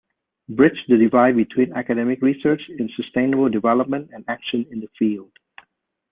Bridge the divide between academic research in sustainable development and action in the field.